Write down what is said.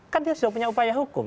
kan dia sudah punya upaya hukum